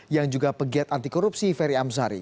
yang juga pegiat antikorupsi ferry amzari